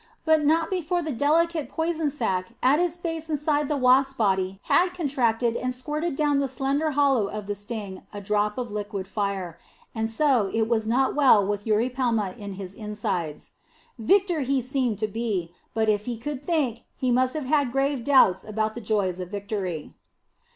But not before the delicate poison sac at its base inside the wasp body had contracted and squirted down the slender hollow of the sting a drop of liquid fire. And so it was not well with Eurypelma in his insides. Victor he seemed to be, but if he could think, he must have had grave doubts about the joys of victory.